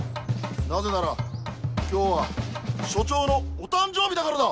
なぜなら今日は署長のお誕生日だからだ！